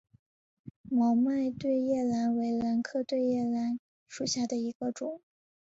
毛脉对叶兰为兰科对叶兰属下的一个种。